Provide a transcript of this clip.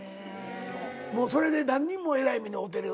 それで何人もえらい目に遭うてる。